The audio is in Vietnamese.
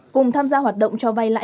cùng tham gia hoạt động cho vay lãi